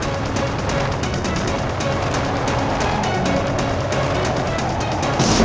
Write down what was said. dengan bertumpu pada